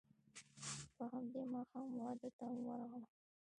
په همدې ماښام واده ته ورغلم.